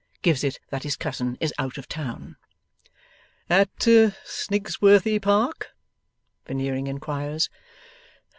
Gives it that his cousin is out of town. 'At Snigsworthy Park?' Veneering inquires.